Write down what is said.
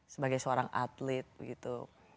sebagai seorang atlet begitu